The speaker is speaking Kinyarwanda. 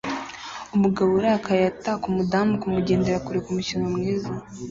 Umugabo urakaye ataka umudamu kumugenda kure kumukino mwiza